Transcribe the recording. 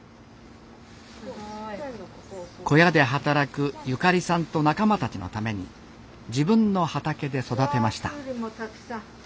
小屋で働くゆかりさんと仲間たちのために自分の畑で育てました。